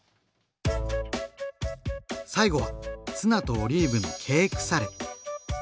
最後はツナとオリーブのケークサレ。